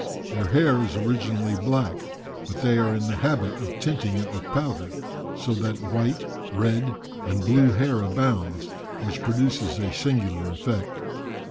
Their hair is originally black, but they are in the habit of tinting it with powder, so that white, red, and blue hair abounds, which produces a singular effect.